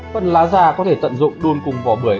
phân lá da có thể tận dụng đun cùng vỏ bưởi